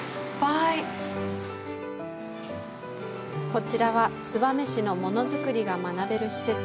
こちらは、燕市のものづくりが学べる施設。